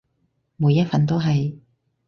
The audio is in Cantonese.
每一份都係